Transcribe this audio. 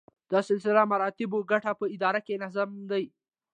د سلسله مراتبو ګټه په اداره کې نظم دی.